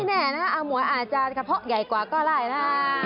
แน่นะอาหมวยอาจจะกระเพาะใหญ่กว่าก็ได้นะ